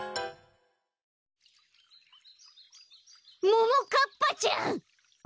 ももかっぱちゃん！